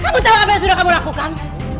kamu tahu apa yang sudah kamu lakukan